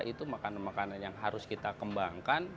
itu makanan makanan yang harus kita kembangkan